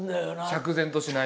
釈然としない？